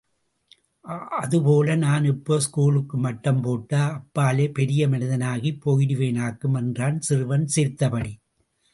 அதுபோல நான் இப்போ ஸ்கூலுக்கு மட்டம் போட்டா, அப்பாலே பெரிய மனிதனாகிப் போயிடுவேனாக்கும் என்றான் சிறுவன், சிரித்தபடி.